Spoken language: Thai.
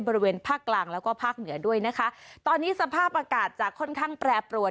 บริเวณภาคกลางแล้วก็ภาคเหนือด้วยนะคะตอนนี้สภาพอากาศจะค่อนข้างแปรปรวน